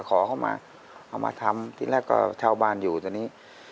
ขอเข้ามาเอามาทำที่แรกก็เช่าบ้านอยู่ตอนนี้